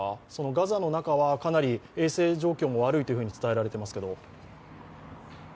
ガザの中はかなり衛生状況が悪いと伝えられていますけど。